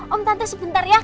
om tante sebentar ya